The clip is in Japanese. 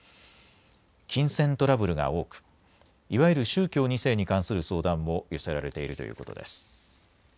金銭トラブルが多く、いわゆる宗教２世に関する相談も寄せられているということです。